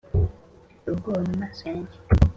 mfite ubwoba mumaso yanjye